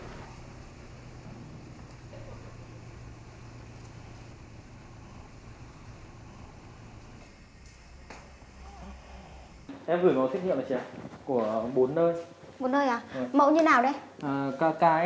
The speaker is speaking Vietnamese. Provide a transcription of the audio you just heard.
các bạn có thể gửi liên tục cho bạn bè em gửi thiết nghiệm nè chị ạ của bốn nơi